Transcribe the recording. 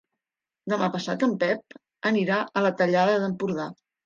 Demà passat en Pep anirà a la Tallada d'Empordà.